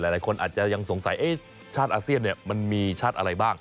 หลายคนอาจจะยังสงสัยชาติอาเซียนมันมีชาติอะไรบ้าง